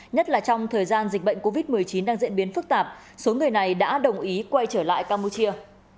nhất là trong thời gian dịch bệnh covid một mươi chín đang diễn biến phức tạp số người này đã đồng ý quay trở lại campuchia